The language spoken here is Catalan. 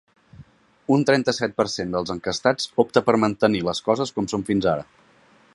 Un trenta-set per cent dels enquestats opta per mantenir les coses com són fins ara.